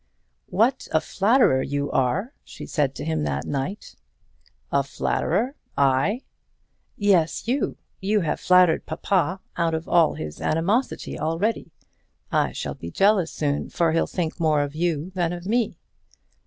"What a flatterer you are," she said to him that night. "A flatterer! I?" "Yes, you. You have flattered papa out of all his animosity already. I shall be jealous soon; for he'll think more of you than of me."